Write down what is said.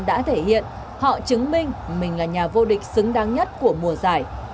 đã thể hiện họ chứng minh mình là nhà vô địch xứng đáng nhất của mùa giải